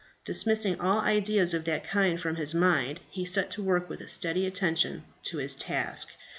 Dismissing all ideas of that kind from his mind, he set to work with a steady attention to his task.